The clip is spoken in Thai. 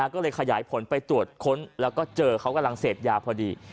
ก็เลยขยายผลไปตรวจค้นแล้วก็เจอเขากำลังเสพยาพอดี